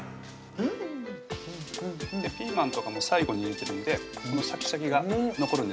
うんうんうんうんピーマンとかも最後に入れてるんでこのシャキシャキが残るんですね